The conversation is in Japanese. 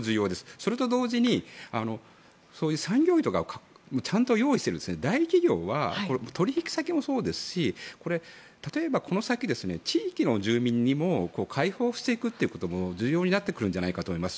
それと同時にそういう産業医とかちゃんと用意している大企業は取引先もそうですし例えば、この先地域の住民にも開放していくことも重要になるんじゃないかなと思います。